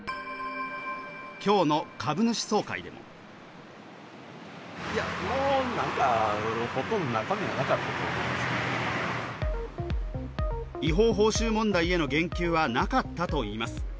今日の株主総会でも違法報酬問題への言及はなかったといいます。